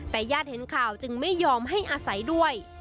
แต่ญาติเห็นข่าวจึงไม่ยอมให้อาศัยด้วย